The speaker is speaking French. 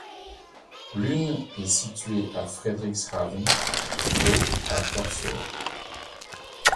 L'une est situé à Frederikshavn, l'autre à Korsør.